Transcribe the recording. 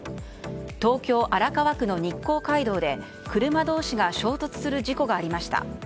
東京・荒川区の日光街道で車同士が衝突する事故がありました。